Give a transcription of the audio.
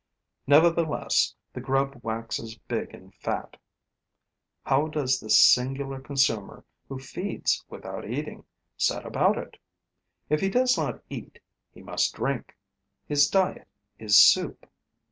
Nevertheless, the grub waxes big and fat. How does this singular consumer, who feeds without eating, set about it? If he does not eat, he must drink; his diet is soup.